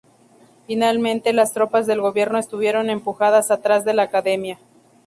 Finalmente, las tropas del gobierno estuvieron empujadas atrás de la Academia.